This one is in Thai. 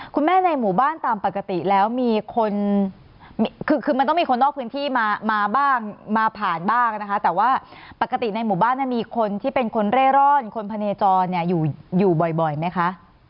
ในหมู่บ้านตามปกติแล้วมีคนคือมันต้องมีคนนอกพื้นที่มาบ้างมาผ่านบ้างนะคะแต่ว่าปกติในหมู่บ้านมีคนที่เป็นคนเร่ร่อนคนพะเนจรอยู่บ่อยไหมคะ